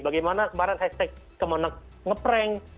bagaimana kemarin hashtag kemenang nge prank